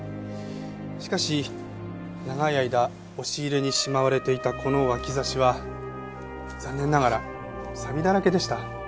しかし長い間押し入れにしまわれていたこの脇差しは残念ながらさびだらけでした。